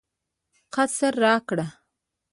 قصر راکړ.